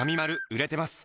売れてます！